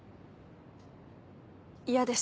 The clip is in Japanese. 嫌です。